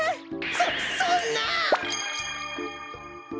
そそんな！